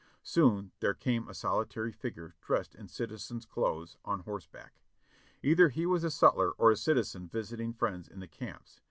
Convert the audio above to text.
Soon there came a solitary figure, dressed in citizen's clothes, on horseback. Either he was a sutler or a citizen visiting friends in the camps.